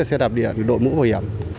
xe đạp điện đội mũ bảo hiểm